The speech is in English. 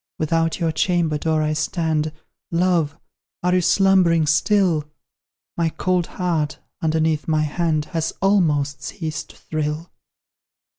Without your chamber door I stand; Love, are you slumbering still? My cold heart, underneath my hand, Has almost ceased to thrill.